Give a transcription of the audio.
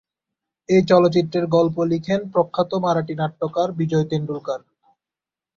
এই চলচ্চিত্রের গল্প লিখেন প্রখ্যাত মারাঠি নাট্যকার বিজয় তেন্ডুলকর।